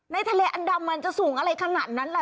ทะเลอันดามันจะสูงอะไรขนาดนั้นล่ะ